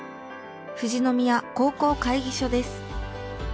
富士宮高校会議所です。